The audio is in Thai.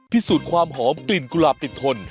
พิสูจน์ความหอมกลิ่นกุหลาบติดทน